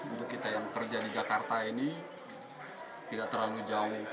untuk kita yang kerja di jakarta ini tidak terlalu jauh